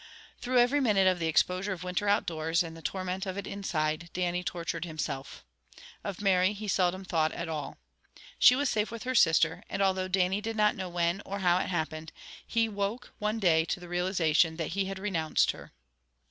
Through every minute of the exposure of winter outdoors and the torment of it inside, Dannie tortured himself. Of Mary he seldom thought at all. She was safe with her sister, and although Dannie did not know when or how it happened, he awoke one day to the realization that he had renounced her.